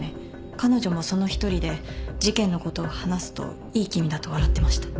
彼女もその一人で事件のことを話すといい気味だと笑ってました。